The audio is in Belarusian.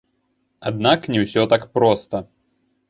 Аднак не ўсё так проста.